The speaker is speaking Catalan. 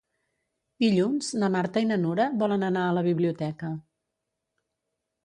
Dilluns na Marta i na Nura volen anar a la biblioteca.